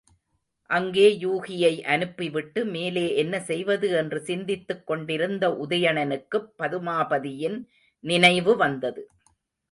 அங்கே யூகியை அனுப்பிவிட்டு மேலே என்ன செய்வது என்று சிந்தித்துக் கொண்டிருந்த உதயணனுக்குப் பதுமாபதியின் நினைவு வந்தது.